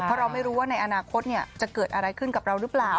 เพราะเราไม่รู้ว่าในอนาคตจะเกิดอะไรขึ้นกับเราหรือเปล่า